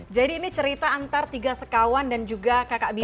jadi ini cerita antar tiga sekawan dan juga kakak binar